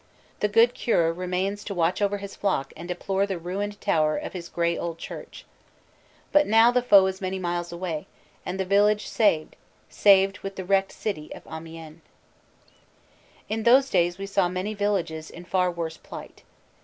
The good Cure remains to watch over his flock and deplore the ruined tower of his gray old church. But now the foe is many miles away and the village saved saved with the wrecked city of Amiens. In those days we saw many villages in far worse plight.